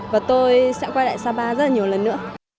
và tôi sẽ quay lại sapa rất là nhiều lần nữa